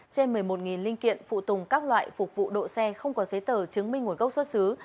trên một mươi một linh kiện phụ tùng các loại phục vụ độ xe không có giấy tờ chứng minh nguồn gốc xuất xứ